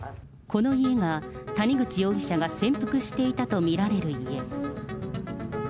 この家が、谷口容疑者が潜伏していたと見られる家。